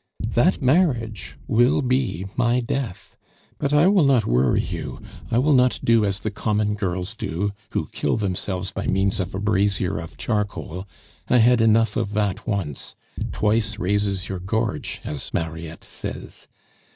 "That marriage will be my death. But I will not worry you; I will not do as the common girls do who kill themselves by means of a brazier of charcoal; I had enough of that once; twice raises your gorge, as Mariette says.